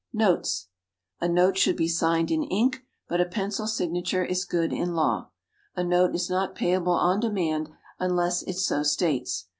=Notes.= A note should be signed in ink, but a pencil signature is good in law. A note is not payable on demand unless it so states.